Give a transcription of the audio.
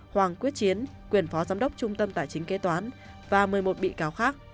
hoàng quyết chiến quyền phó giám đốc trung tâm tài chính kế toán và một mươi một bị cáo khác